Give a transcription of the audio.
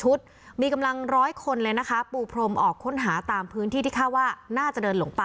รถถี่ปุกนายนตามหาจนมืดค่ำและยังไม่เห็น